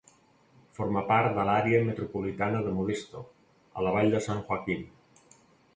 Forma part de l'àrea metropolitana de Modesto, a la vall de San Joaquin.